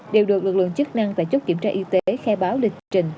đều được lực lượng chức năng tại chốt kiểm tra y tế khai báo lịch trình